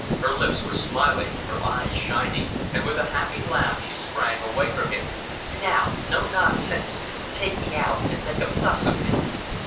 Her lips were smiling, her eyes shining, and with a happy laugh she sprang away from him. "Now, no nonsense. Take me out, and make a fuss of me."